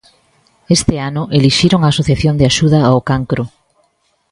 Este ano elixiron a asociación de axuda ao cancro.